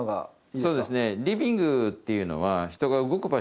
そうですね